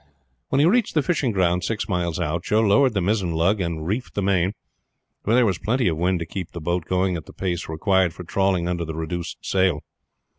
When he reached the fishing ground six miles out, Joe lowered the mizzen lug and reefed the main, for there was plenty of wind to keep the boat going at the pace required for trawling under the reduced sail.